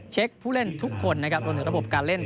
เช็กผู้เล่นทุกคนรวมถึงระบบการเล่น